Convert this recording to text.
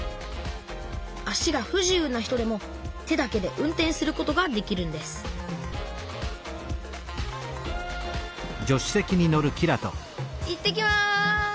足が不自由な人でも手だけで運転することができるんですいってきます。